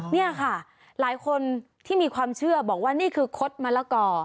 นี่ค่ะหลายคนที่มีความเชื่อบอกว่านี่คือคดมะละกอ